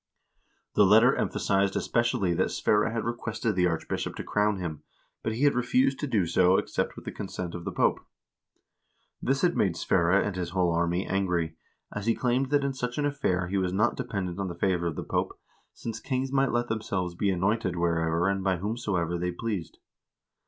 2 The letter emphasized especially that Sverre had requested the archbishop to crown him, but he had refused to do so except with the consent of the Pope. This had made Sverre and his whole army angry, as he claimed that in such an affair he was not dependent on the favor of the Pope, since kings might let themselves be anointed wherever and by whomsoever they pleased.